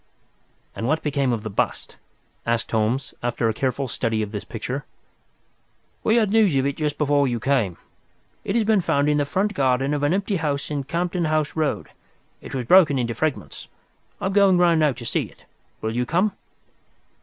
"And what became of the bust?" asked Holmes, after a careful study of this picture. "We had news of it just before you came. It has been found in the front garden of an empty house in Campden House Road. It was broken into fragments. I am going round now to see it. Will you come?"